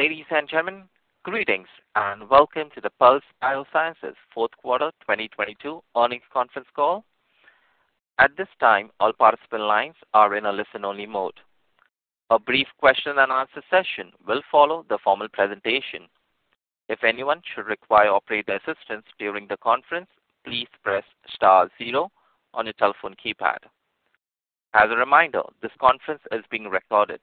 Ladies and gentlemen, greetings, and welcome to the Pulse Biosciences fourth quarter 2022 earnings conference call. At this time, all participant lines are in a listen-only mode. A brief question and answer session will follow the formal presentation. If anyone should require operator assistance during the conference, please press star zero on your telephone keypad. As a reminder, this conference is being recorded.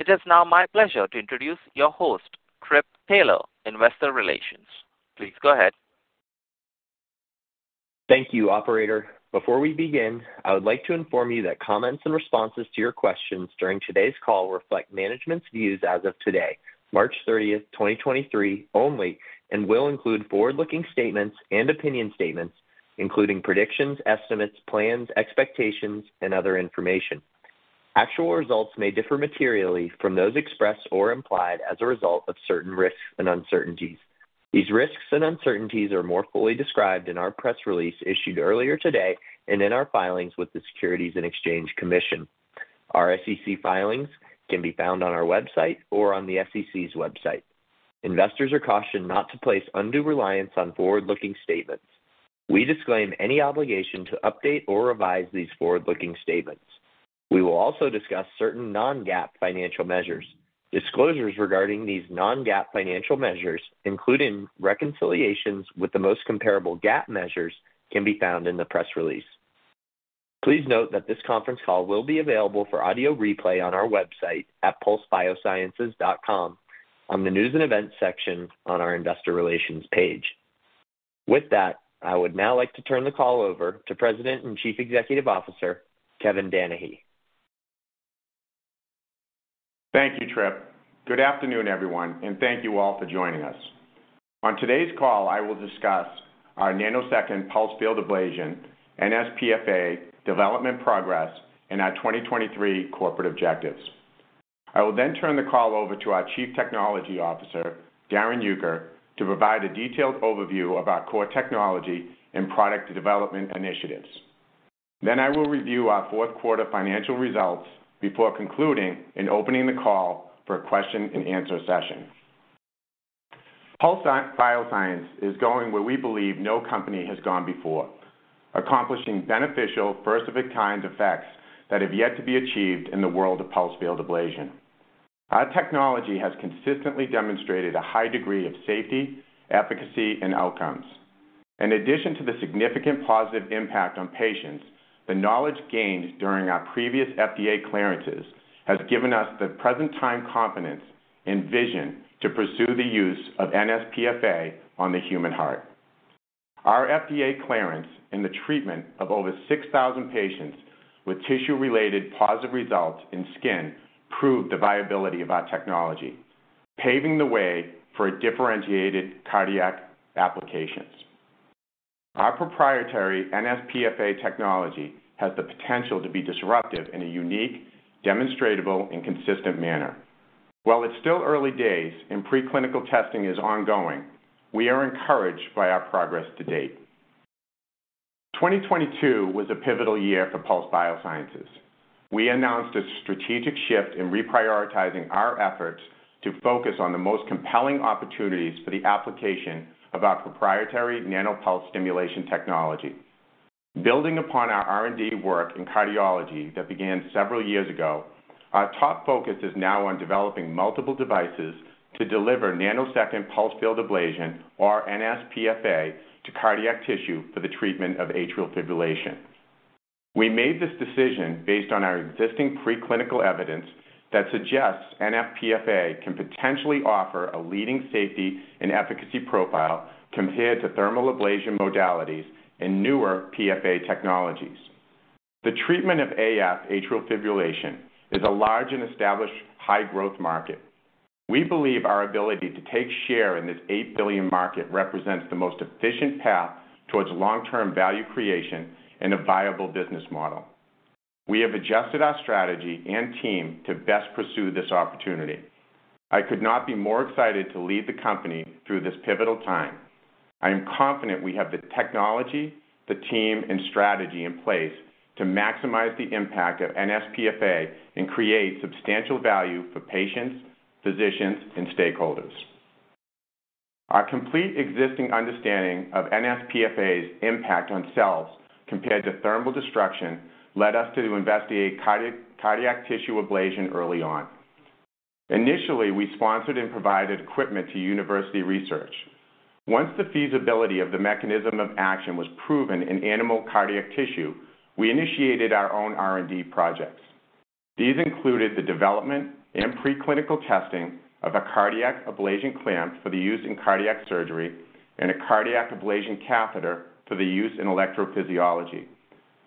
It is now my pleasure to introduce your host, Tripp Taylor, Investor Relations. Please go ahead. Thank you, operator. Before we begin, I would like to inform you that comments and responses to your questions during today's call reflect management's views as of today, March 13th, 2023, only, and will include forward-looking statements and opinion statements, including predictions, estimates, plans, expectations, and other information. Actual results may differ materially from those expressed or implied as a result of certain risks and uncertainties. These risks and uncertainties are more fully described in our press release issued earlier today and in our filings with the Securities and Exchange Commission. Our SEC filings can be found on our website or on the SEC's website. Investors are cautioned not to place undue reliance on forward-looking statements. We disclaim any obligation to update or revise these forward-looking statements. We will also discuss certain Non-GAAP financial measures. Disclosures regarding these Non-GAAP financial measures, including reconciliations with the most comparable GAAP measures, can be found in the press release. Please note that this conference call will be available for audio replay on our website at pulsebiosciences.com on the News & Events section on our Investor Relations page. With that, I would now like to turn the call over to President and Chief Executive Officer, Kevin Danahy. Thank you, Tripp Taylor. Good afternoon, everyone, and thank you all for joining us. On today's call, I will discuss our nanosecond pulsed field ablation, nsPFA, development progress, and our 2023 corporate objectives. I will turn the call over to our Chief Technology Officer, Darrin Uecker, to provide a detailed overview of our core technology and product development initiatives. I will review our fourth quarter financial results before concluding and opening the call for a question and answer session. Pulse Biosciences is going where we believe no company has gone before, accomplishing beneficial first of a kind effects that have yet to be achieved in the world of pulsed field ablation. Our technology has consistently demonstrated a high degree of safety, efficacy, and outcomes. In addition to the significant positive impact on patients, the knowledge gained during our previous FDA clearances has given us the present time confidence and vision to pursue the use of nsPFA on the human heart. Our FDA clearance in the treatment of over 6,000 patients with tissue-related positive results in skin proved the viability of our technology, paving the way for differentiated cardiac applications. Our proprietary nsPFA technology has the potential to be disruptive in a unique, demonstratable, and consistent manner. While it's still early days and preclinical testing is ongoing, we are encouraged by our progress to date. 2022 was a pivotal year for Pulse Biosciences. We announced a strategic shift in reprioritizing our efforts to focus on the most compelling opportunities for the application of our proprietary Nano-Pulse Stimulation technology. Building upon our R&D work in cardiology that began several years ago, our top focus is now on developing multiple devices to deliver nanosecond pulsed field ablation, or nsPFA, to cardiac tissue for the treatment of atrial fibrillation. We made this decision based on our existing preclinical evidence that suggests nsPFA can potentially offer a leading safety and efficacy profile compared to thermal ablation modalities and newer PFA technologies. The treatment of AF, atrial fibrillation, is a large and established high growth market. We believe our ability to take share in this $8 billion market represents the most efficient path towards long-term value creation and a viable business model. We have adjusted our strategy and team to best pursue this opportunity. I could not be more excited to lead the company through this pivotal time. I am confident we have the technology, the team, and strategy in place to maximize the impact of nsPFA and create substantial value for patients, physicians, and stakeholders. Our complete existing understanding of nsPFA's impact on cells compared to thermal destruction led us to investigate cardiac tissue ablation early on. Initially, we sponsored and provided equipment to university research. Once the feasibility of the mechanism of action was proven in animal cardiac tissue, we initiated our own R&D projects. These included the development and preclinical testing of a cardiac ablation clamp for the use in cardiac surgery and a cardiac ablation catheter for the use in electrophysiology.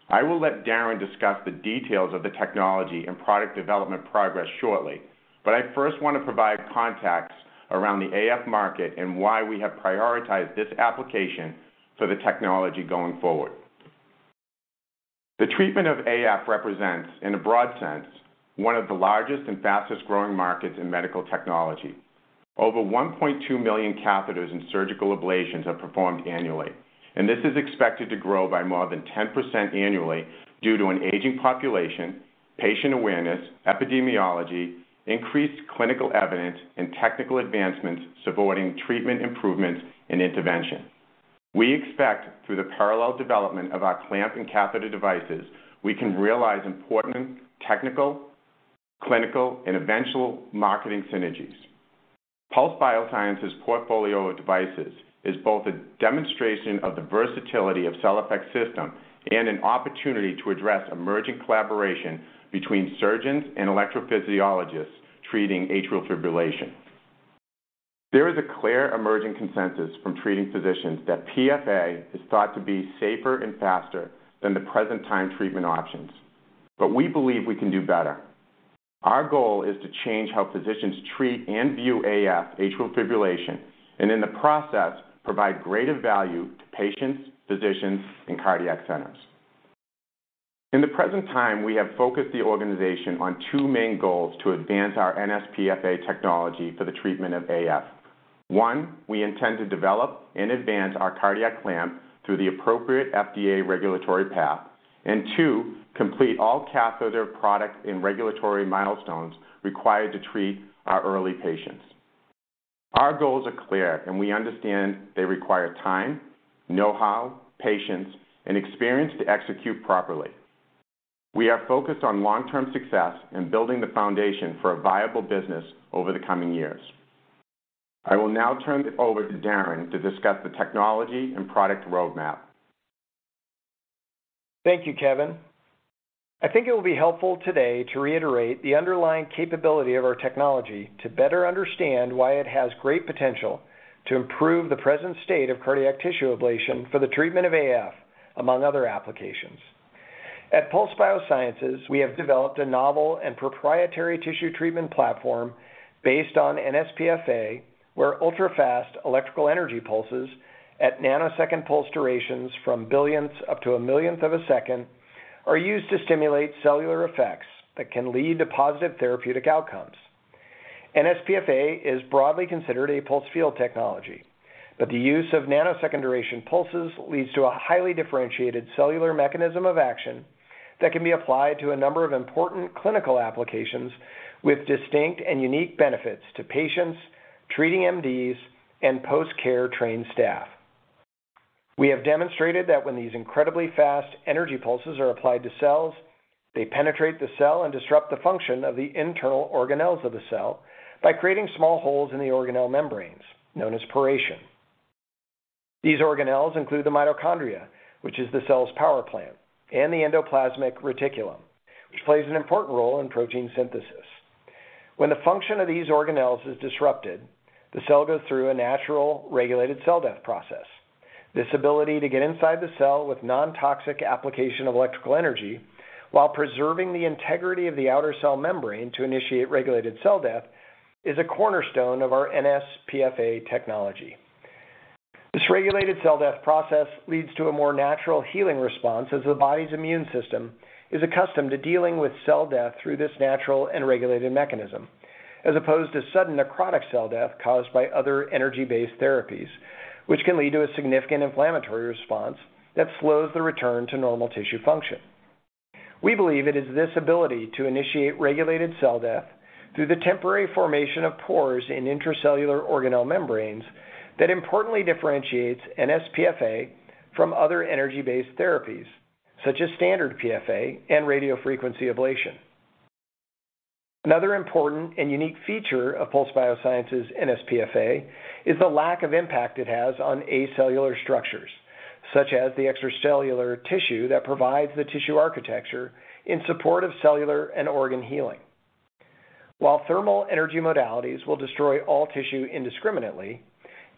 I will let Darrin discuss the details of the technology and product development progress shortly, but I first wanna provide context around the AF market and why we have prioritized this application for the technology going forward. The treatment of AF represents, in a broad sense, one of the largest and fastest growing markets in medical technology. Over 1.2 million catheters and surgical ablations are performed annually, and this is expected to grow by more than 10% annually due to an aging population, patient awareness, epidemiology, increased clinical evidence, and technical advancements supporting treatment improvements and intervention. We expect through the parallel development of our clamp and catheter devices, we can realize important technical, clinical and eventual marketing synergies. Pulse Biosciences' portfolio of devices is both a demonstration of the versatility of CellFX system and an opportunity to address emerging collaboration between surgeons and electrophysiologists treating atrial fibrillation. There is a clear emerging consensus from treating physicians that PFA is thought to be safer and faster than the present time treatment options. We believe we can do better. Our goal is to change how physicians treat and view AF, atrial fibrillation, and in the process, provide greater value to patients, physicians, and cardiac centers. In the present time, we have focused the organization on two main goals to advance our nsPFA technology for the treatment of AF. One, we intend to develop and advance our cardiac clamp through the appropriate FDA regulatory path. Two, complete all catheter product and regulatory milestones required to treat our early patients. Our goals are clear, and we understand they require time, know-how, patience, and experience to execute properly. We are focused on long-term success and building the foundation for a viable business over the coming years. I will now turn it over to Darrin to discuss the technology and product roadmap. Thank you, Kevin. I think it will be helpful today to reiterate the underlying capability of our technology to better understand why it has great potential to improve the present state of cardiac tissue ablation for the treatment of AF, among other applications. At Pulse Biosciences, we have developed a novel and proprietary tissue treatment platform based on nsPFA, where ultra-fast electrical energy pulses at nanosecond pulse durations from billionths up to a millionth of a second are used to stimulate cellular effects that can lead to positive therapeutic outcomes. The use of nanosecond duration pulses leads to a highly differentiated cellular mechanism of action that can be applied to a number of important clinical applications with distinct and unique benefits to patients, treating MDs and post-care trained staff. We have demonstrated that when these incredibly fast energy pulses are applied to cells, they penetrate the cell and disrupt the function of the internal organelles of the cell by creating small holes in the organelle membranes known as poration. These organelles include the mitochondria, which is the cell's power plant, and the endoplasmic reticulum, which plays an important role in protein synthesis. When the function of these organelles is disrupted, the cell goes through a natural regulated cell death process. This ability to get inside the cell with non-toxic application of electrical energy while preserving the integrity of the outer cell membrane to initiate regulated cell death is a cornerstone of our nsPFA technology. This regulated cell death process leads to a more natural healing response, as the body's immune system is accustomed to dealing with cell death through this natural and regulated mechanism, as opposed to sudden necrotic cell death caused by other energy-based therapies, which can lead to a significant inflammatory response that slows the return to normal tissue function. We believe it is this ability to initiate regulated cell death through the temporary formation of pores in intracellular organelle membranes that importantly differentiates nsPFA from other energy-based therapies, such as standard PFA and radiofrequency ablation. Another important and unique feature of Pulse Biosciences nsPFA is the lack of impact it has on acellular structures, such as the extracellular tissue that provides the tissue architecture in support of cellular and organ healing. While thermal energy modalities will destroy all tissue indiscriminately,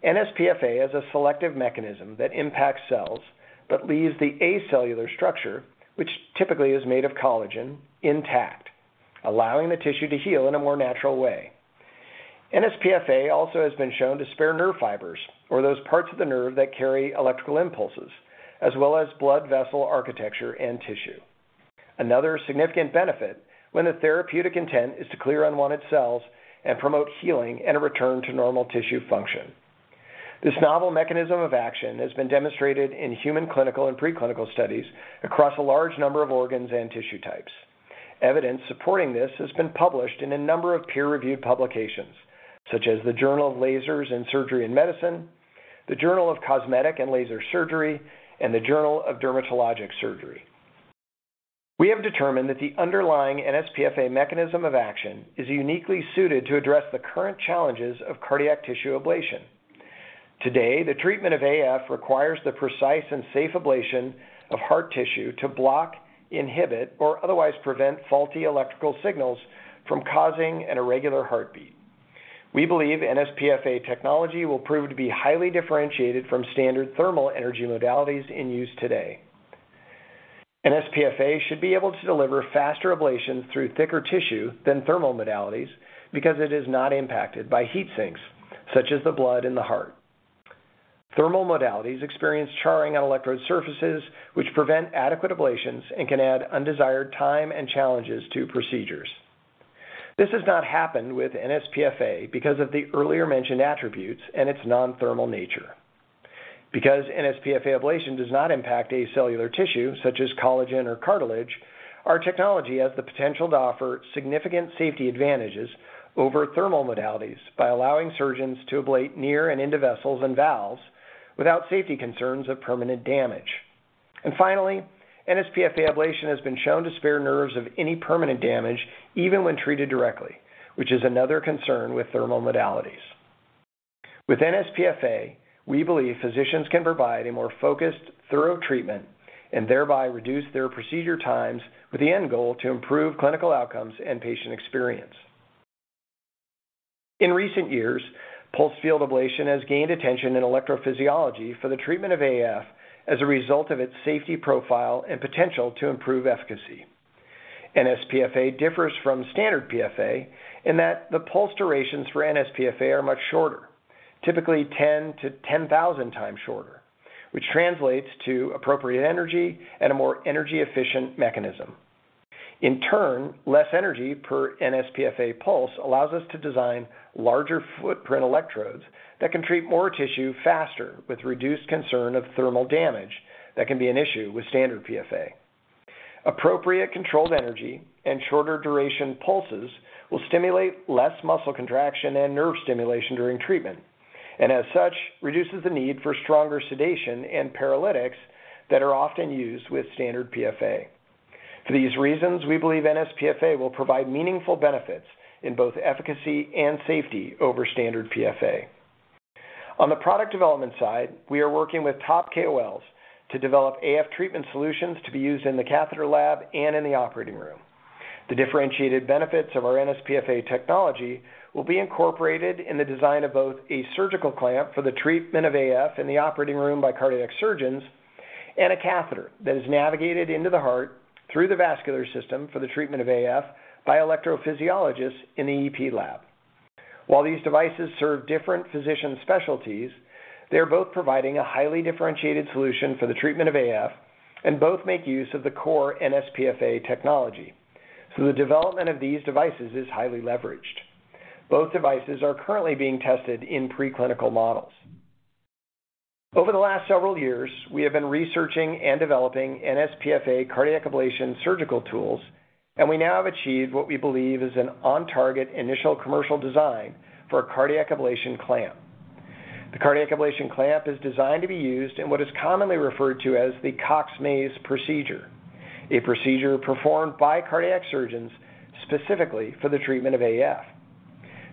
nsPFA is a selective mechanism that impacts cells but leaves the acellular structure, which typically is made of collagen, intact, allowing the tissue to heal in a more natural way. nsPFA also has been shown to spare nerve fibers or those parts of the nerve that carry electrical impulses, as well as blood vessel architecture and tissue. Another significant benefit when the therapeutic intent is to clear unwanted cells and promote healing and a return to normal tissue function. This novel mechanism of action has been demonstrated in human clinical and preclinical studies across a large number of organs and tissue types. Evidence supporting this has been published in a number of peer-reviewed publications, such as the Journal of Lasers in Surgery and Medicine, the Journal of Cosmetic and Laser Surgery, and the Journal of Dermatologic Surgery. We have determined that the underlying nsPFA mechanism of action is uniquely suited to address the current challenges of cardiac tissue ablation. Today, the treatment of AF requires the precise and safe ablation of heart tissue to block, inhibit, or otherwise prevent faulty electrical signals from causing an irregular heartbeat. We believe nsPFA technology will prove to be highly differentiated from standard thermal energy modalities in use today. nsPFA should be able to deliver faster ablations through thicker tissue than thermal modalities because it is not impacted by heat sinks, such as the blood in the heart. Thermal modalities experience charring on electrode surfaces which prevent adequate ablations and can add undesired time and challenges to procedures. This has not happened with nsPFA because of the earlier mentioned attributes and its non-thermal nature. Because nsPFA ablation does not impact acellular tissue such as collagen or cartilage, our technology has the potential to offer significant safety advantages over thermal modalities by allowing surgeons to ablate near and into vessels and valves without safety concerns of permanent damage. Finally, nsPFA ablation has been shown to spare nerves of any permanent damage even when treated directly, which is another concern with thermal modalities. With nsPFA, we believe physicians can provide a more focused, thorough treatment and thereby reduce their procedure times with the end goal to improve clinical outcomes and patient experience. In recent years, pulsed field ablation has gained attention in electrophysiology for the treatment of AF as a result of its safety profile and potential to improve efficacy. nsPFA differs from standard PFA in that the pulse durations for nsPFA are much shorter, typically 10-10,000 times shorter, which translates to appropriate energy and a more energy efficient mechanism. Less energy per nsPFA pulse allows us to design larger footprint electrodes that can treat more tissue faster with reduced concern of thermal damage that can be an issue with standard PFA. Appropriate controlled energy and shorter duration pulses will stimulate less muscle contraction and nerve stimulation during treatment. As such, reduces the need for stronger sedation and paralytics that are often used with standard PFA. We believe nsPFA will provide meaningful benefits in both efficacy and safety over standard PFA. We are working with top KOLs to develop AF treatment solutions to be used in the catheter lab and in the operating room. The differentiated benefits of our nsPFA technology will be incorporated in the design of both a surgical clamp for the treatment of AF in the operating room by cardiac surgeons and a catheter that is navigated into the heart through the vascular system for the treatment of AF by electrophysiologists in the EP lab. While these devices serve different physician specialties, they are both providing a highly differentiated solution for the treatment of AF and both make use of the core nsPFA technology. The development of these devices is highly leveraged. Both devices are currently being tested in preclinical models. Over the last several years, we have been researching and developing nsPFA cardiac ablation surgical tools, and we now have achieved what we believe is an on-target initial commercial design for a cardiac ablation clamp. The cardiac ablation clamp is designed to be used in what is commonly referred to as the Cox-Maze procedure, a procedure performed by cardiac surgeons specifically for the treatment of AF.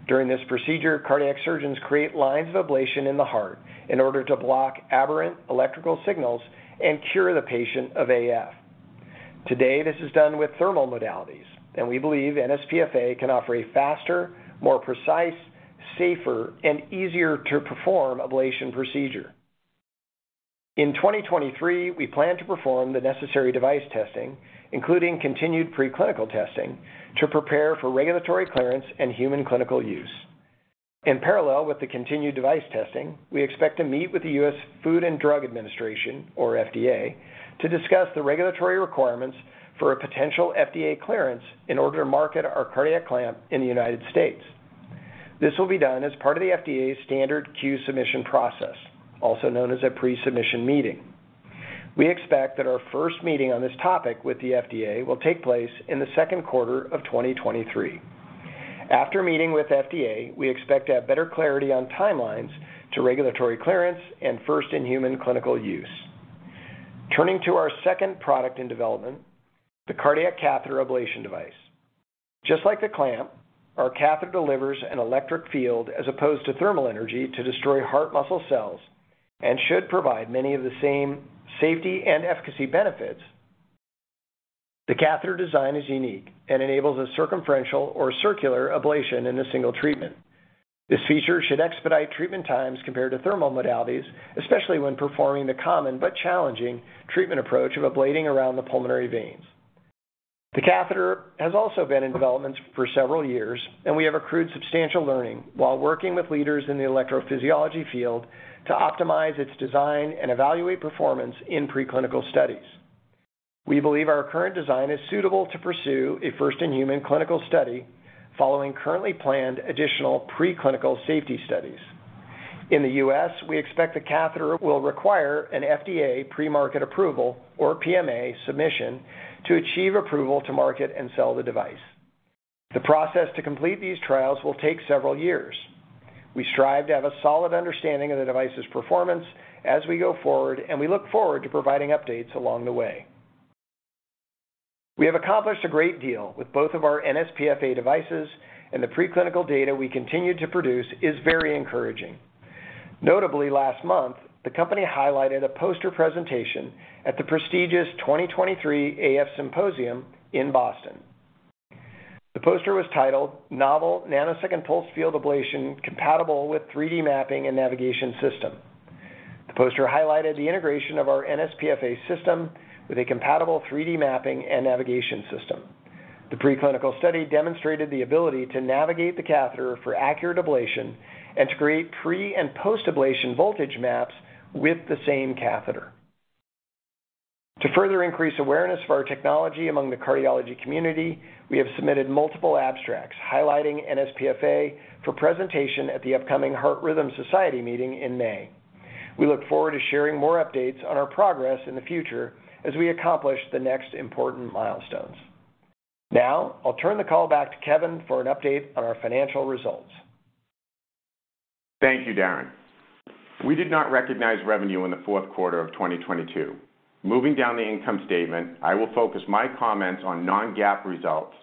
During this procedure, cardiac surgeons create lines of ablation in the heart in order to block aberrant electrical signals and cure the patient of AF. Today, this is done with thermal modalities, and we believe nsPFA can offer a faster, more precise, safer, and easier to perform ablation procedure. In 2023, we plan to perform the necessary device testing, including continued preclinical testing, to prepare for regulatory clearance and human clinical use. In parallel with the continued device testing, we expect to meet with the US Food and Drug Administration, or FDA, to discuss the regulatory requirements for a potential FDA clearance in order to market our cardiac clamp in the United States. This will be done as part of the FDA's standard Q-Submission process, also known as a pre-submission meeting. We expect that our first meeting on this topic with the FDA will take place in the second quarter of 2023. After meeting with FDA, we expect to have better clarity on timelines to regulatory clearance and first in human clinical use. Turning to our second product in development, the cardiac catheter ablation device. Just like the clamp, our catheter delivers an electric field as opposed to thermal energy to destroy heart muscle cells and should provide many of the same safety and efficacy benefits. The catheter design is unique and enables a circumferential or circular ablation in a single treatment. This feature should expedite treatment times compared to thermal modalities, especially when performing the common but challenging treatment approach of ablating around the pulmonary veins. The catheter has also been in development for several years, and we have accrued substantial learning while working with leaders in the electrophysiology field to optimize its design and evaluate performance in preclinical studies. We believe our current design is suitable to pursue a first-in-human clinical study following currently planned additional preclinical safety studies. In the U.S., we expect the catheter will require an FDA premarket approval or PMA submission to achieve approval to market and sell the device. The process to complete these trials will take several years. We strive to have a solid understanding of the device's performance as we go forward, and we look forward to providing updates along the way. We have accomplished a great deal with both of our nsPFA devices, and the preclinical data we continue to produce is very encouraging. Notably last month, the company highlighted a poster presentation at the prestigious 2023 AF Symposium in Boston. The poster was titled Novel Nanosecond Pulsed Field Ablation Compatible with 3D Mapping & Navigation System. The poster highlighted the integration of our nsPFA system with a compatible 3D mapping and navigation system. The preclinical study demonstrated the ability to navigate the catheter for accurate ablation and to create pre- and post-ablation voltage maps with the same catheter. To further increase awareness of our technology among the cardiology community, we have submitted multiple abstracts highlighting nsPFA for presentation at the upcoming Heart Rhythm Society meeting in May. We look forward to sharing more updates on our progress in the future as we accomplish the next important milestones. I'll turn the call back to Kevin for an update on our financial results. Thank you, Darrin. We did not recognize revenue in the fourth quarter of 2022. Moving down the income statement, I will focus my comments on Non-GAAP results.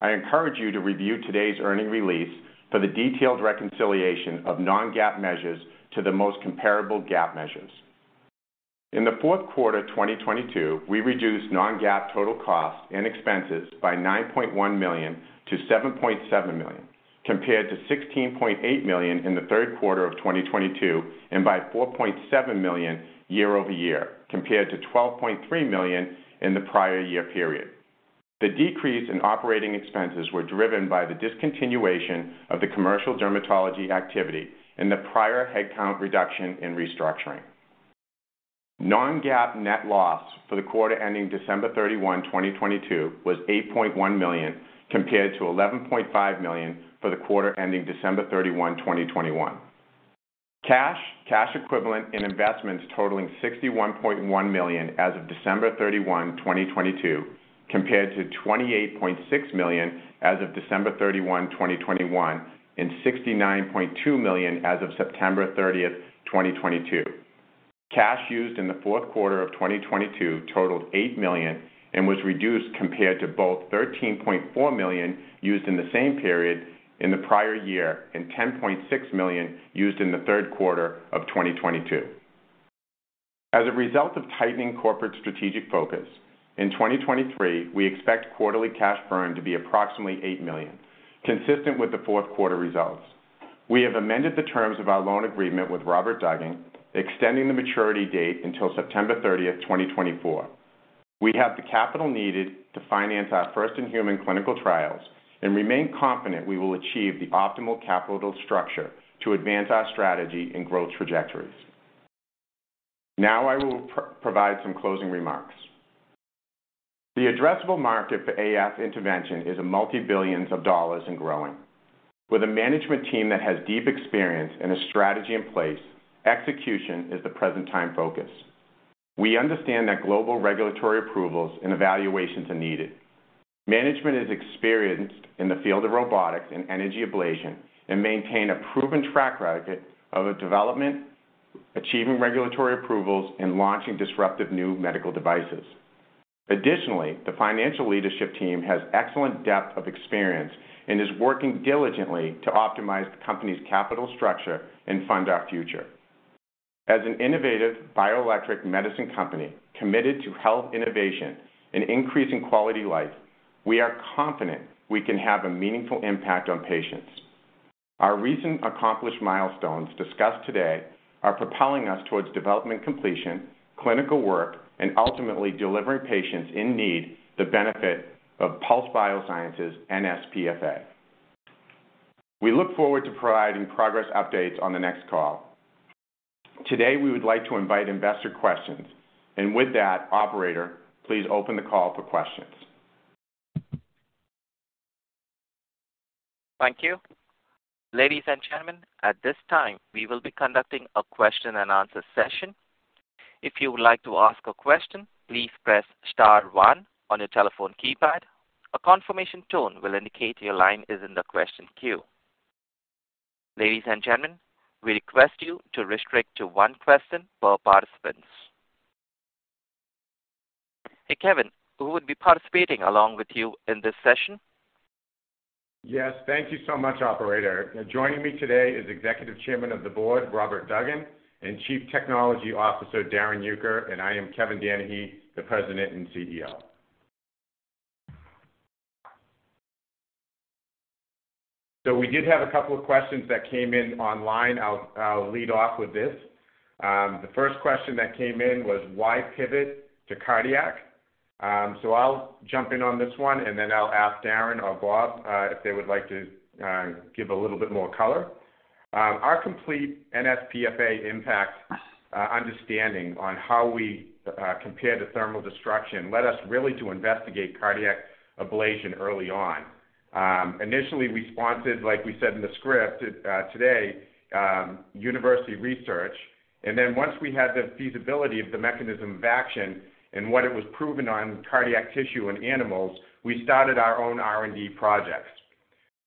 I encourage you to review today's earning release for the detailed reconciliation of Non-GAAP measures to the most comparable GAAP measures. In the fourth quarter of 2022, we reduced Non-GAAP total costs and expenses by $9.1 million to $7.7 million, compared to $16.8 million in the third quarter of 2022 and by $4.7 million year-over-year, compared to $12.3 million in the prior year period. The decrease in operating expenses were driven by the discontinuation of the commercial dermatology activity and the prior headcount reduction in restructuring. Non-GAAP net loss for the quarter ending December 31, 2022 was $8.1 million, compared to $11.5 million for the quarter ending December 31, 2021. Cash, cash equivalent, and investments totaling $61.1 million as of December 31, 2022, compared to $28.6 million as of December 31, 2021, and $69.2 million as of September 30, 2022. Cash used in the fourth quarter of 2022 totaled $8 million and was reduced compared to both $13.4 million used in the same period in the prior year and $10.6 million used in the third quarter of 2022. As a result of tightening corporate strategic focus, in 2023, we expect quarterly cash burn to be approximately $8 million, consistent with the fourth quarter results. We have amended the terms of our loan agreement with Robert Duggan, extending the maturity date until September 30th, 2024. We have the capital needed to finance our first-in-human clinical trials and remain confident we will achieve the optimal capital structure to advance our strategy and growth trajectories. Now I will provide some closing remarks. The addressable market for AF intervention is a $multi-billions and growing. With a management team that has deep experience and a strategy in place, execution is the present time focus. We understand that global regulatory approvals and evaluations are needed. Management is experienced in the field of robotics and energy ablation and maintain a proven track record of development, achieving regulatory approvals, and launching disruptive new medical devices. Additionally, the financial leadership team has excellent depth of experience and is working diligently to optimize the company's capital structure and fund our future. As an innovative bioelectric medicine company committed to health innovation and increasing quality of life, we are confident we can have a meaningful impact on patients. Our recent accomplished milestones discussed today are propelling us towards development completion, clinical work, and ultimately delivering patients in need the benefit of Pulse Biosciences nsPFA. We look forward to providing progress updates on the next call. Today, we would like to invite investor questions. With that, operator, please open the call for questions. Thank you. Ladies and gentlemen, at this time, we will be conducting a question-and-answer session. If you would like to ask a question, please press star one on your telephone keypad. A confirmation tone will indicate your line is in the question queue. Ladies and gentlemen, we request you to restrict to one question per participants. Hey, Kevin, who would be participating along with you in this session? Yes. Thank you so much, operator. Joining me today is Executive Chairman of the Board, Robert Duggan, and Chief Technology Officer, Darrin Uecker, and I am Kevin Danahy, the President and CEO. We did have a couple of questions that came in online. I'll lead off with this. The first question that came in was why pivot to cardiac? I'll jump in on this one, and then I'll ask Darren or Bob if they would like to give a little bit more color. Our complete nsPFA impact understanding on how we compare to thermal destruction led us really to investigate cardiac ablation early on. Initially we sponsored, like we said in the script today, university research. Once we had the feasibility of the mechanism of action and what it was proven on cardiac tissue in animals, we started our own R&D projects.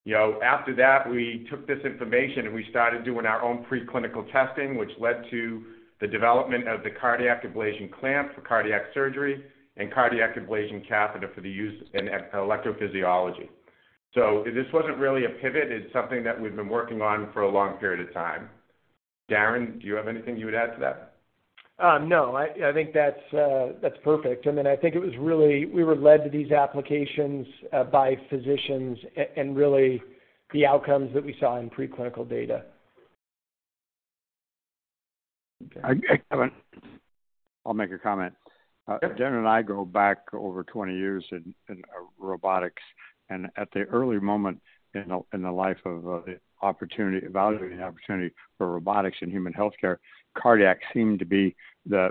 You know, after that, we took this information, and we started doing our own preclinical testing, which led to the development of the cardiac ablation clamp for cardiac surgery and cardiac ablation catheter for the use in electrophysiology. This wasn't really a pivot. It's something that we've been working on for a long period of time. Darrin, do you have anything you would add to that? No, I think that's perfect. I mean, I think it was really, we were led to these applications by physicians and really the outcomes that we saw in preclinical data. I, Kevin. I'll make a comment. Yep. Darrin and I go back over 20 years in robotics. At the early moment in the life of evaluating the opportunity for robotics in human healthcare, cardiac seemed to be the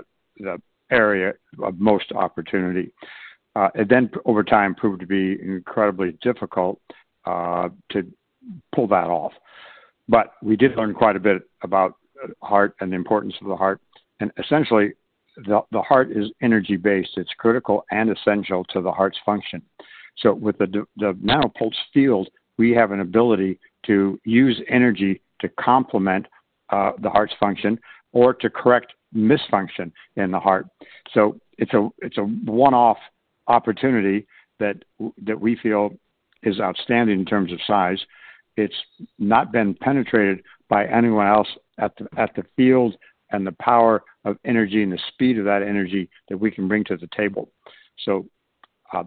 area of most opportunity. It then over time proved to be incredibly difficult to pull that off. We did learn quite a bit about heart and the importance of the heart, and essentially the heart is energy-based. It's critical and essential to the heart's function. With the Nano-Pulse field, we have an ability to use energy to complement the heart's function or to correct misfunction in the heart. It's a, it's a one-off opportunity that we feel is outstanding in terms of size. It's not been penetrated by anyone else at the field and the power of energy and the speed of that energy that we can bring to the table.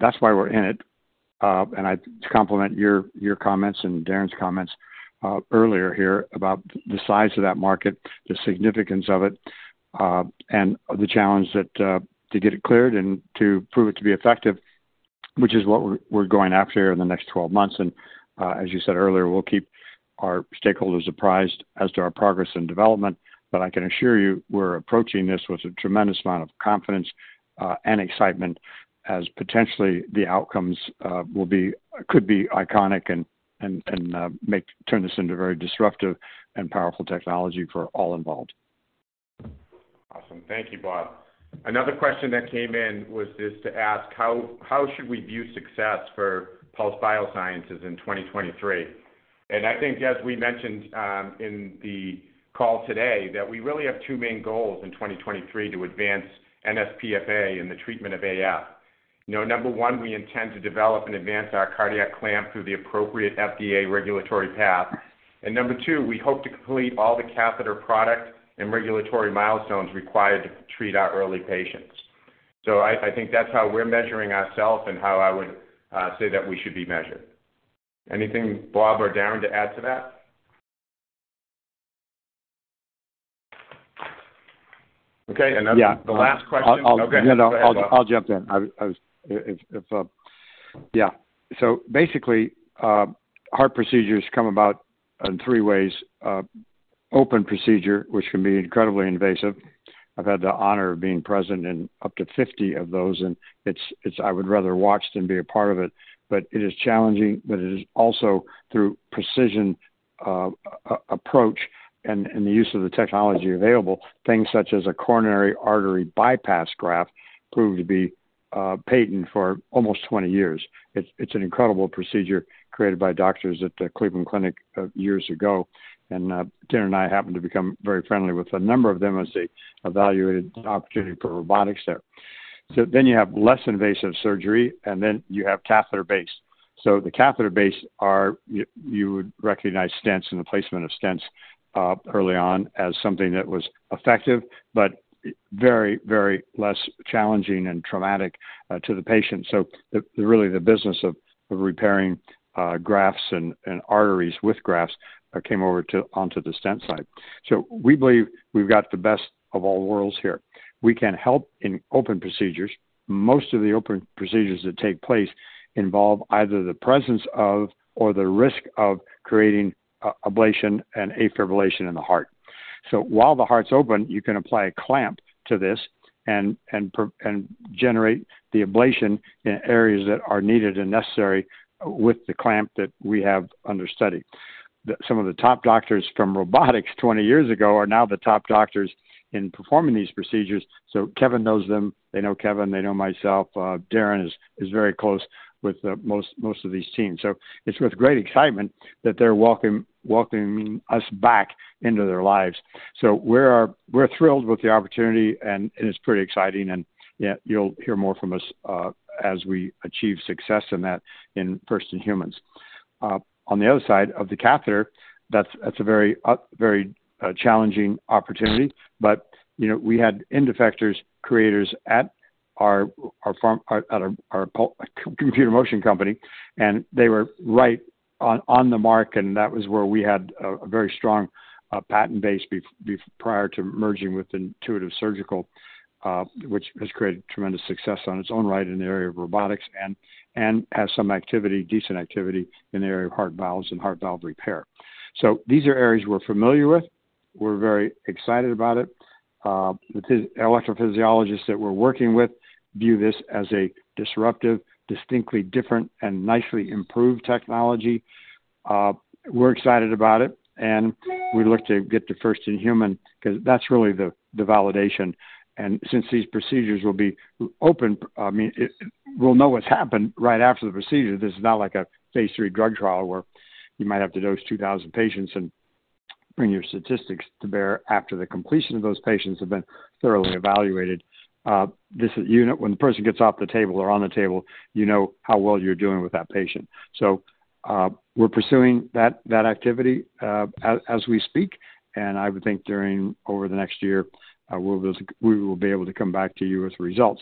That's why we're in it. I compliment your comments and Darrin's comments earlier here about the size of that market, the significance of it, and the challenge that to get it cleared and to prove it to be effective, which is what we're going after here in the next 12 months. As you said earlier, we'll keep our stakeholders apprised as to our progress and development, but I can assure you we're approaching this with a tremendous amount of confidence and excitement as potentially the outcomes will be could be iconic and turn this into very disruptive and powerful technology for all involved. Awesome. Thank you, Bob. Another question that came in was just to ask how should we view success for Pulse Biosciences in 2023? I think as we mentioned, in the call today, that we really have two main goals in 2023 to advance nsPFA and the treatment of AF. You know, number one, we intend to develop and advance our cardiac clamp through the appropriate FDA regulatory path. Number two, we hope to complete all the catheter product and regulatory milestones required to treat our early patients. I think that's how we're measuring ourself and how I would say that we should be measured. Anything, Bob or Darrin, to add to that? Okay. Then. Yeah. The last question. I'll. Okay. No, no. I'll jump in. Yeah. Basically, heart procedures come about in three ways. Open procedure, which can be incredibly invasive. I've had the honor of being present in up to 50 of those, and it's I would rather watch than be a part of it. It is challenging, but it is also through precision approach and the use of the technology available, things such as a coronary artery bypass graft proved to be patent for almost 20 years. It's an incredible procedure created by doctors at the Cleveland Clinic years ago. Darrin and I happened to become very friendly with a number of them as they evaluated the opportunity for robotics there. You have less invasive surgery, you have catheter-based. The catheter-based are you would recognize stents and the placement of stents early on as something that was effective, but very, very less challenging and traumatic to the patient. The, really the business of repairing grafts and arteries with grafts came over onto the stent side. We believe we've got the best of all worlds here. We can help in open procedures. Most of the open procedures that take place involve either the presence of or the risk of creating ablation and atrial fibrillation in the heart. While the heart's open, you can apply a clamp to this and generate the ablation in areas that are needed and necessary with the clamp that we have under study. Some of the top doctors from robotics 20 years ago are now the top doctors in performing these procedures. Kevin knows them. They know Kevin. They know myself. Darrin is very close with most of these teams. It's with great excitement that they're welcoming us back into their lives. We're thrilled with the opportunity, and it's pretty exciting. Yeah, you'll hear more from us as we achieve success in that in first in humans. On the other side of the catheter, that's a very challenging opportunity. You know, we had endo vectors creators at our Computer Motion company, and they were right on the mark, and that was where we had a very strong patent base prior to merging with Intuitive Surgical, which has created tremendous success on its own right in the area of robotics and has some activity, decent activity in the area of heart valves and heart valve repair. These are areas we're familiar with. We're very excited about it. The electrophysiologists that we're working with view this as a disruptive, distinctly different, and nicely improved technology. We're excited about it, and we look to get to first in human, 'cause that's really the validation. Since these procedures will be open, I mean, we'll know what's happened right after the procedure. This is not like a Phase III drug trial where you might have to dose 2,000 patients and bring your statistics to bear after the completion of those patients have been thoroughly evaluated. You know, when the person gets off the table or on the table, you know how well you're doing with that patient. We're pursuing that activity, as we speak, and I would think over the next year, we will be able to come back to you with results.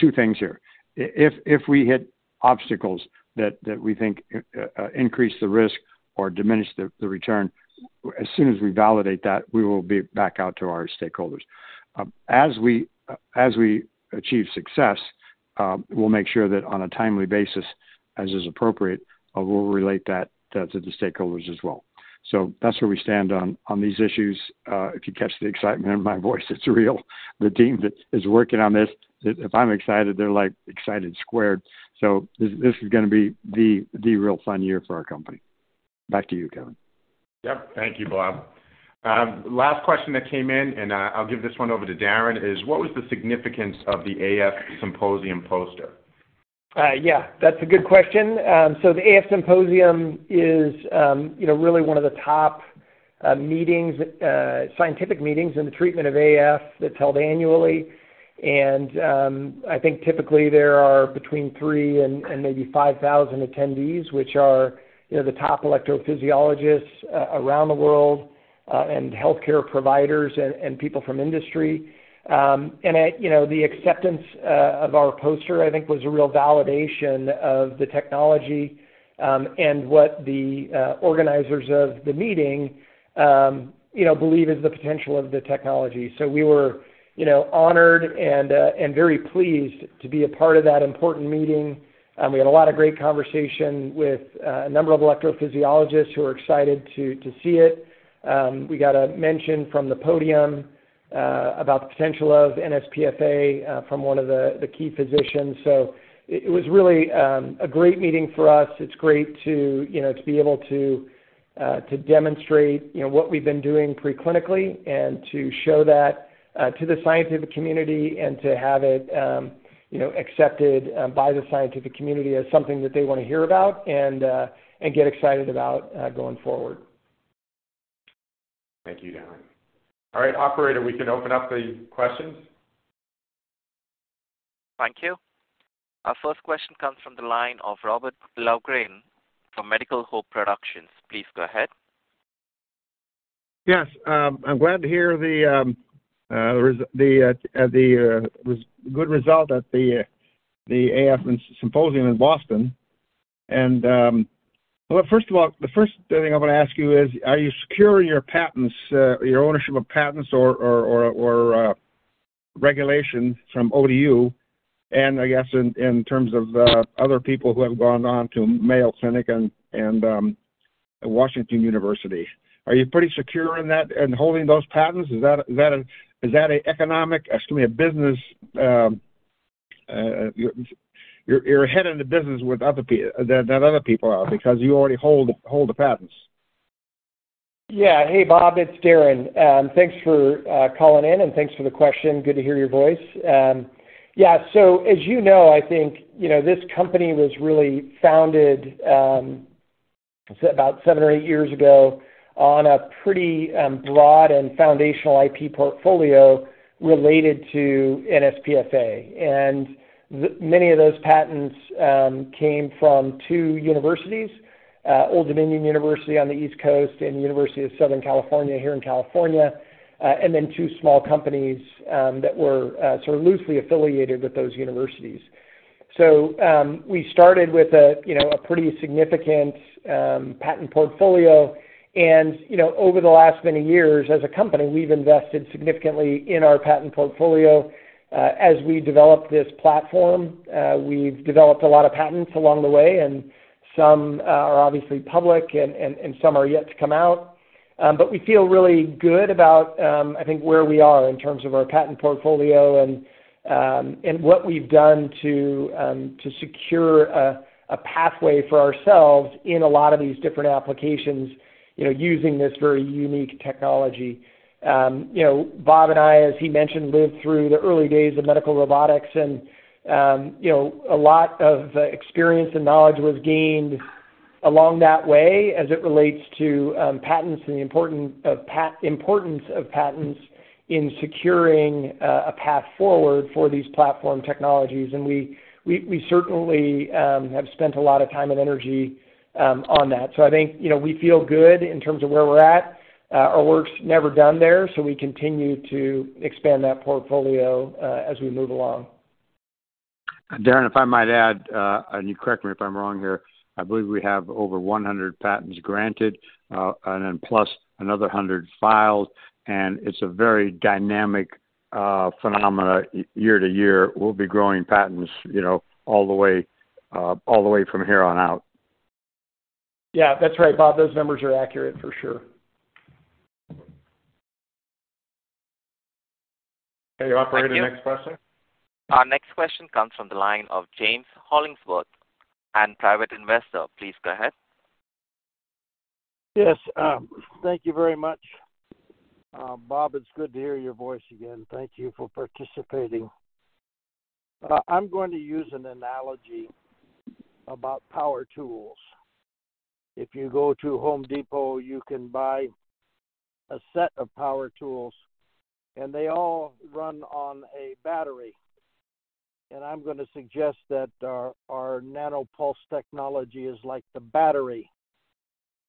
Two things here. If we hit Obstacles that we think increase the risk or diminish the return. As soon as we validate that, we will be back out to our stakeholders. As we achieve success, we'll make sure that on a timely basis, as is appropriate, we'll relate that to the stakeholders as well. That's where we stand on these issues. If you catch the excitement in my voice, it's real. The team that is working on this, if I'm excited, they're like excited squared. This is gonna be the real fun year for our company. Back to you, Kevin. Yep. Thank you, Bob. Last question that came in, I'll give this one over to Darrin, is what was the significance of the AF Symposium poster? Yeah, that's a good question. So the AF Symposium is, you know, really one of the top meetings, scientific meetings in the treatment of AF that's held annually. I think typically there are between 3 and maybe 5,000 attendees, which are, you know, the top electrophysiologists around the world, and healthcare providers and people from industry. At, you know, the acceptance of our poster, I think was a real validation of the technology, and what the organizers of the meeting, you know, believe is the potential of the technology. We were, you know, honored and very pleased to be a part of that important meeting. We had a lot of great conversation with a number of electrophysiologists who are excited to see it. We got a mention from the podium about the potential of nsPFA from one of the key physicians. It was really a great meeting for us. It's great to, you know, to be able to demonstrate, you know, what we've been doing pre-clinically and to show that to the scientific community and to have it, you know, accepted by the scientific community as something that they wanna hear about and get excited about going forward. Thank you, Darrin. All right, operator, we can open up the questions. Thank you. Our first question comes from the line of Robert Lovgren from Medical Hope Productions. Please go ahead. Yes. I'm glad to hear the good result at the AF Symposium in Boston. Well, first of all, the first thing I wanna ask you is, are you secure in your patents, your ownership of patents or regulations from ODU and I guess in terms of other people who have gone on to Mayo Clinic and Washington University? Are you pretty secure in that, in holding those patents? Is that an economic, excuse me, a business, you're ahead in the business with other than other people are because you already hold the patents? Yeah. Hey, Bob. It's Darrin. Thanks for calling in, and thanks for the question. Good to hear your voice. Yeah, as you know, I think, you know, this company was really founded about seven or eight years ago on a pretty broad and foundational IP portfolio related to nsPFA. Many of those patents came from two universities, Old Dominion University on the East Coast and University of Southern California here in California, and then two small companies that were sort of loosely affiliated with those universities. We started with a, you know, a pretty significant patent portfolio and, you know, over the last many years as a company, we've invested significantly in our patent portfolio. As we developed this platform, we've developed a lot of patents along the way, and some are obviously public and some are yet to come out. We feel really good about, I think where we are in terms of our patent portfolio and what we've done to secure a pathway for ourselves in a lot of these different applications, you know, using this very unique technology. You know, Bob and I, as he mentioned, lived through the early days of medical robotics and, you know, a lot of experience and knowledge was gained along that way as it relates to patents and the importance of patents in securing, a path forward for these platform technologies. We certainly have spent a lot of time and energy on that. I think, you know, we feel good in terms of where we're at. Our work's never done there, so we continue to expand that portfolio as we move along. Darrin, if I might add, and you correct me if I'm wrong here, I believe we have over 100 patents granted, and then plus another 100 filed, and it's a very dynamic, phenomena year to year. We'll be growing patents, you know, all the way, all the way from here on out. Yeah, that's right, Bob. Those numbers are accurate for sure. Okay, operator. Thank you. next question. Our next question comes from the line of James Hollingsworth and private investor. Please go ahead. Yes. Thank you very much. Bob, it's good to hear your voice again. Thank you for participating. I'm going to use an analogy about power tools. If you go to Home Depot, you can buy a set of power tools, and they all run on a battery. I'm gonna suggest that our Nano-Pulse technology is like the battery.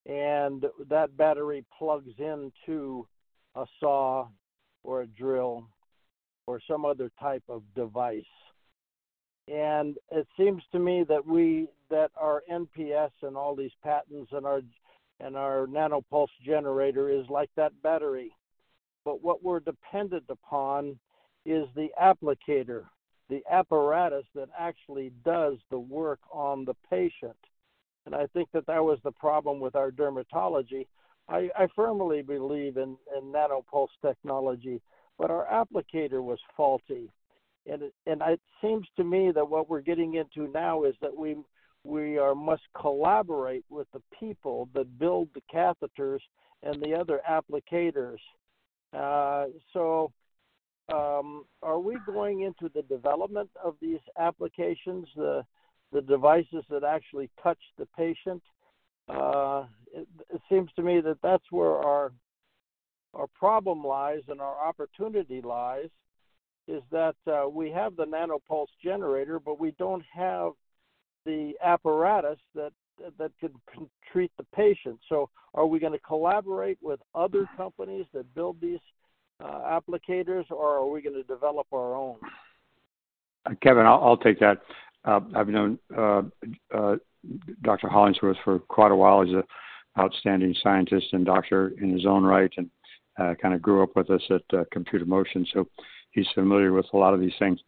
That battery plugs into a saw or a drill or some other type of device. It seems to me that our NPS and all these patents and our Nano-Pulse generator is like that battery. What we're dependent upon is the applicator, the apparatus that actually does the work on the patient. I think that that was the problem with our dermatology. I firmly believe in Nano-Pulse technology, but our applicator was faulty. It seems to me that what we're getting into now is that we must collaborate with the people that build the catheters and the other applicators. Are we going into the development of these applications, the devices that actually touch the patient? It seems to me that that's where our problem lies and our opportunity lies, is that we have the Nano-Pulse generator, but we don't have the apparatus that can treat the patient. Are we gonna collaborate with other companies that build these applicators, or are we gonna develop our own? Kevin, I'll take that. I've known Dr. Hollingsworth for quite a while. He's an outstanding scientist and doctor in his own right, and kinda grew up with us at Computer Motion, so he's familiar with a lot of these things.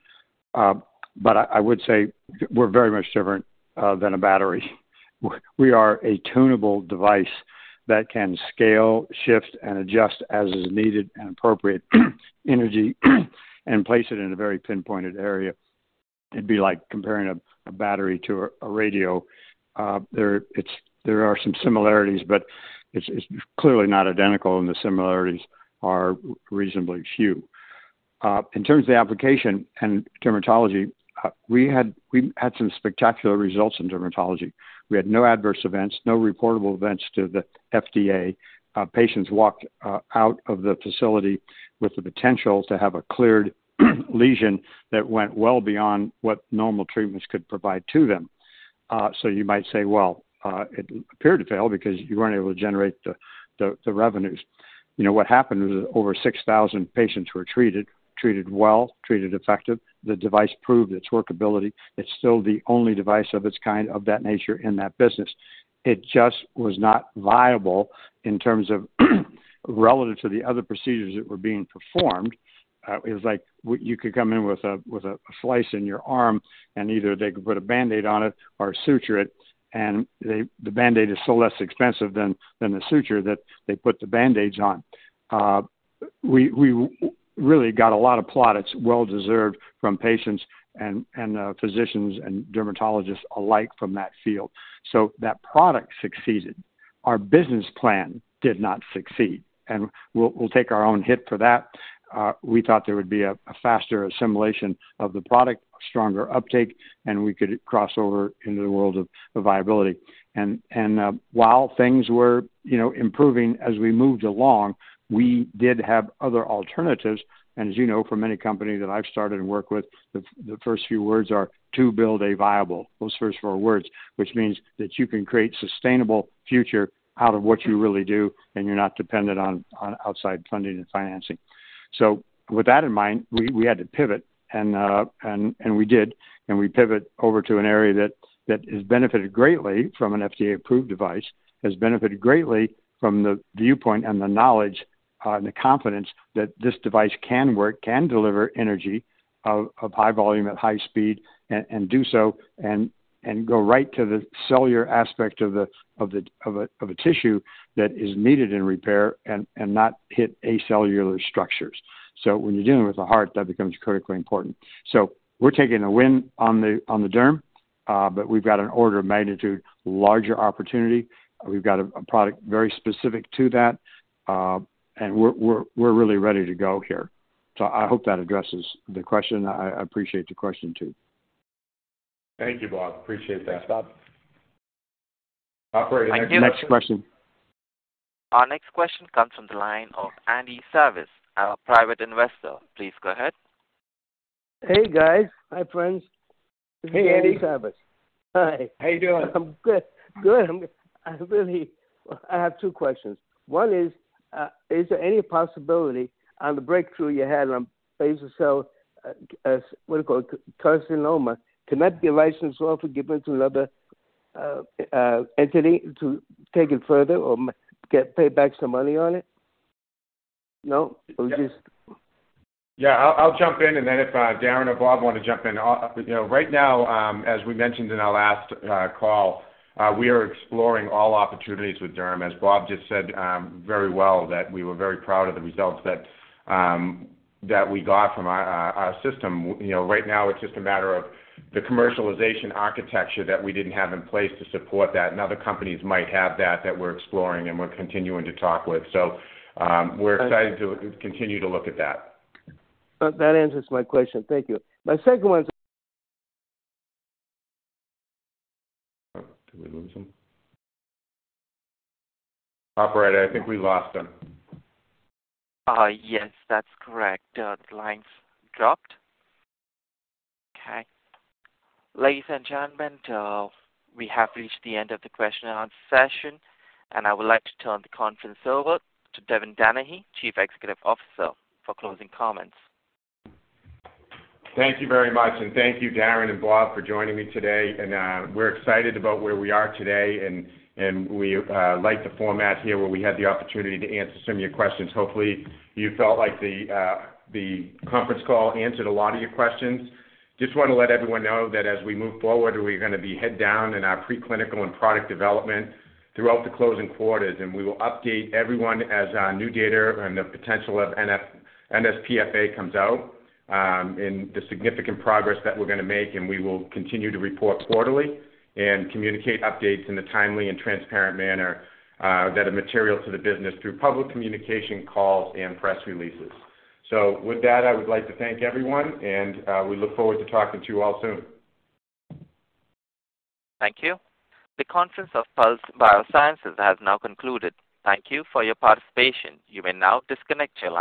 I would say we're very much different than a battery. We are a tunable device that can scale, shift, and adjust as is needed and appropriate energy and place it in a very pinpointed area. It'd be like comparing a battery to a radio. There are some similarities, but it's clearly not identical, and the similarities are reasonably few. In terms of the application and dermatology, we had some spectacular results in dermatology. We had no adverse events, no reportable events to the FDA. Patients walked out of the facility with the potential to have a cleared lesion that went well beyond what normal treatments could provide to them. You might say, "Well, it appeared to fail because you weren't able to generate the revenues." You know, what happened was over 6,000 patients were treated well, treated effective. The device proved its workability. It's still the only device of its kind, of that nature in that business. It just was not viable in terms of relative to the other procedures that were being performed. It was like you could come in with a slice in your arm, and either they could put a Band-Aid on it or suture it, the Band-Aid is so less expensive than the suture that they put the Band-Aids on. We really got a lot of plaudits well deserved from patients and physicians and dermatologists alike from that field. That product succeeded. Our business plan did not succeed, and we'll take our own hit for that. We thought there would be a faster assimilation of the product, a stronger uptake, and we could cross over into the world of viability. While things were, you know, improving as we moved along, we did have other alternatives. As you know, for many companies that I've started and worked with, the first few words are to build a viable, those first four words, which means that you can create sustainable future out of what you really do, and you're not dependent on outside funding and financing. With that in mind, we had to pivot, and we did, and we pivot over to an area that has benefited greatly from an FDA-approved device, has benefited greatly from the viewpoint and the knowledge, and the confidence that this device can work, can deliver energy of high volume at high speed and do so and go right to the cellular aspect of the tissue that is needed in repair and not hit acellular structures. When you're dealing with a heart, that becomes critically important. We're taking a win on the derm, but we've got an order of magnitude larger opportunity. We've got a product very specific to that, and we're really ready to go here. I hope that addresses the question. I appreciate the question, too. Thank you, Bob. Appreciate that. Thanks, Bob. Operator, next question. Thank you. Next question. Our next question comes from the line of Andy Service, our private investor. Please go ahead. Hey, guys. Hi, friends. Hey, Andy. This is Andy Service. Hi. How you doing? I'm good. Good. I really... I have two questions. One is there any possibility on the breakthrough you had on basal cell carcinoma, can that be licensed off and given to another entity to take it further or get paid back some money on it? No? I'll jump in. If Darrin or Bob want to jump in. You know, right now, as we mentioned in our last call, we are exploring all opportunities with derm, as Bob just said very well, that we were very proud of the results that we got from our system. You know, right now it's just a matter of the commercialization architecture that we didn't have in place to support that. Other companies might have that we're exploring and we're continuing to talk with. We're excited to continue to look at that. That answers my question. Thank you. Oh, did we lose him? Operator, I think we lost him. Yes, that's correct. The line's dropped. Okay. Ladies and gentlemen, we have reached the end of the question and answer session. I would like to turn the conference over to Kevin Danahy, Chief Executive Officer, for closing comments. Thank you very much, thank you, Darrin and Bob, for joining me today. We're excited about where we are today and we like the format here where we had the opportunity to answer some of your questions. Hopefully you felt like the conference call answered a lot of your questions. Just want to let everyone know that as we move forward, we're gonna be head down in our preclinical and product development throughout the closing quarters, and we will update everyone as new data and the potential of nsPFA comes out, and the significant progress that we're gonna make, and we will continue to report quarterly and communicate updates in a timely and transparent manner that are material to the business through public communication calls and press releases. With that, I would like to thank everyone, and we look forward to talking to you all soon. Thank you. The conference of Pulse Biosciences has now concluded. Thank you for your participation. You may now disconnect your lines.